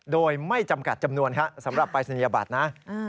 โดยไม่จำกัดจำนวนสำหรับปรายศนียบัตรนะ